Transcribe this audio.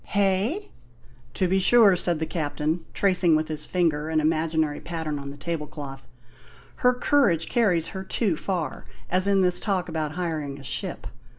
"Hey?" "To be sure," said the Captain, tracing with his finger an imaginary pattern on the table cloth, "her courage carries her too far as in this talk about hiring a ship.